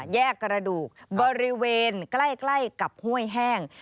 แยกกระดูกบริเวณใกล้กับห้วยแห้ง